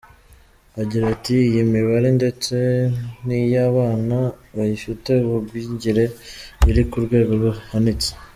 Agira ati "Iyi mibare ndetse niy’abana bafite ubugwingire iri ku rwego ruhanitse.